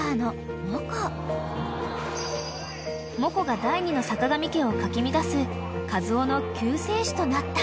［モコが第２のさかがみ家をかき乱すカズオの救世主となった］